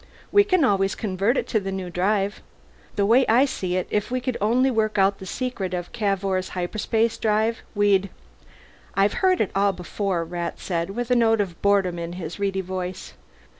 We can always convert it to the new drive. The way I see it, if we could only work out the secret of Cavour's hyperspace drive, we'd " "I've heard it all before," Rat said, with a note of boredom in his reedy voice.